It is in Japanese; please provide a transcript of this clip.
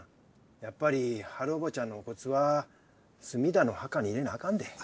やっぱりハルおばちゃんのお骨は角田の墓に入れなあかんで。